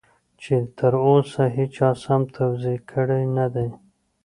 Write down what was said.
چې تر اوسه هېچا سم توضيح کړی نه دی.